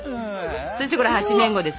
そしてこれ８年後です